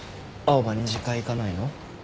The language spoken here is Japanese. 青羽２次会行かないの？